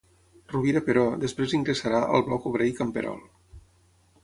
Rovira però, després ingressarà al Bloc Obrer i Camperol.